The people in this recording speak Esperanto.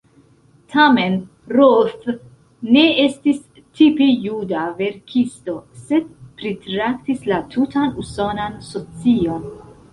Tamen Roth ne estis tipe juda verkisto, sed pritraktis la tutan usonan socion.